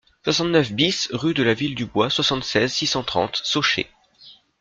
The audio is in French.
soixante-neuf BIS rue de la Ville du Bois, soixante-seize, six cent trente, Sauchay